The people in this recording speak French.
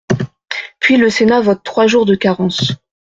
Puis le Sénat vote trois jours de carence.